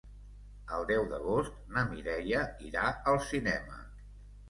El deu d'agost na Mireia irà al cinema.